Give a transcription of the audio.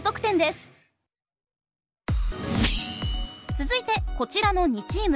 続いてこちらの２チーム。